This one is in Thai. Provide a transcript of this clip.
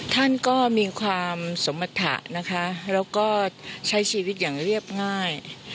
ท่านก็มีความสมรรถะนะคะแล้วก็ใช้ชีวิตอย่างเรียบง่าย